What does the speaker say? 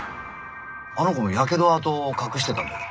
あの子もやけど痕を隠してたんだよ。